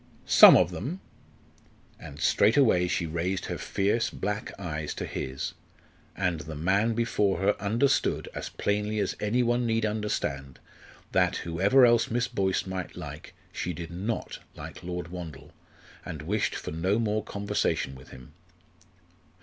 "Some of them." And straightway she raised her fierce black eyes to his, and the man before her understood, as plainly as any one need understand, that, whoever else Miss Boyce might like, she did not like Lord Wandle, and wished for no more conversation with him.